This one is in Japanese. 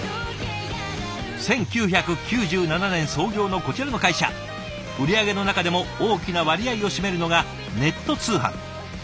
１９９７年創業のこちらの会社売り上げの中でも大きな割合を占めるのがネット通販。